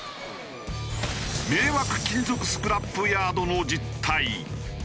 迷惑金属スクラップヤードの実態。